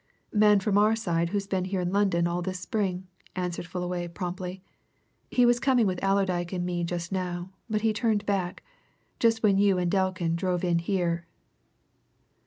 "Man from our side who's been here in London all this spring," answered Fullaway promptly. "He was coming with Allerdyke and me just now, but he turned back just when you and Delkin drove in here."